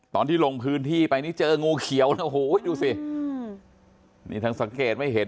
ตอนที่ลงพื้นที่ไปเจองูเขียวนี่สังเกตไม่เห็น